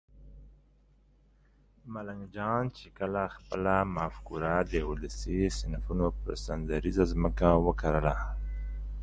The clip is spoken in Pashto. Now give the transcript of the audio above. ملنګ جان چې کله خپله مفکوره د ولسي صنفونو پر سندریزه ځمکه وکرله